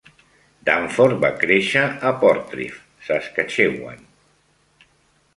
Dunford va créixer a Portreeve, Saskatchewan.